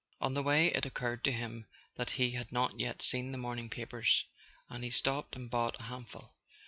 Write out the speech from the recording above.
On the way it occurred to him that he had not yet seen the morning papers, and he stopped and bought a handful.